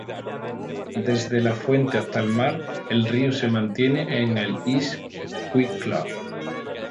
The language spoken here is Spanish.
Desde la fuente hasta el mar, el río se mantiene en East Wicklow.